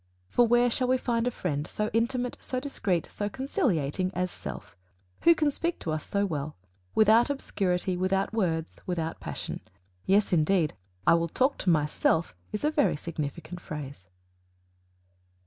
For where shall we find a friend so intimate, so discreet, so conciliating as self? Who can speak to us so well? without obscurity, without words, without passion. Yes, indeed: "I will talk to myself" is a very significant phrase.